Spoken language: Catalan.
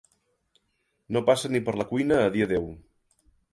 No passà ni per la cuina a dir adéu.